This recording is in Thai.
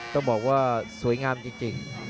ต้องบอกว่าสวยงามจริง